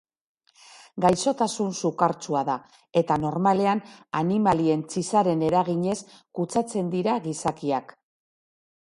Gaixotasun sukartsua da, eta normalean animalien txizaren eraginez kutsatzen dira gizakiak.